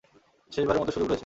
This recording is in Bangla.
শেষবারের মতো সুযোগ রয়েছে।